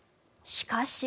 しかし。